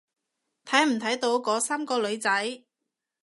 睇唔睇到嗰三個女仔？